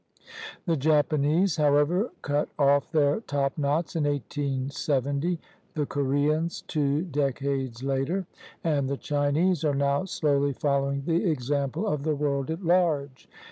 The Japanese, however, cut off their topknots in 1870, the Koreans two decades later, and the Chinese are now slowly following the example of the world at large.